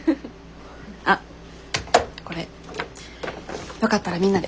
あっこれよかったらみんなで。